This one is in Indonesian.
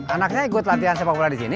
anaknya ikut latihan sepak bola di sini